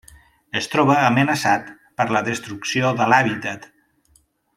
Es troba amenaçat per la destrucció de l'hàbitat.